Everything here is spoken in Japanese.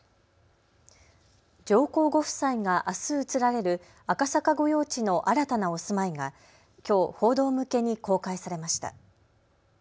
上皇ご夫妻があす移られる赤坂御用地の新たなお住まいがきょう報道向けに公開されました。